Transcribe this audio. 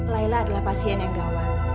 laila adalah pasien yang gawat